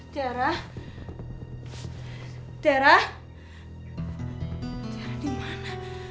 tiara tiara tiara dimana